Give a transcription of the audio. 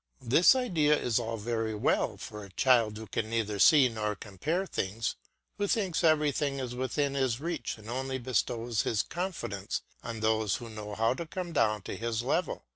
This idea is all very well for a child who can neither see nor compare things, who thinks everything is within his reach, and only bestows his confidence on those who know how to come down to his level.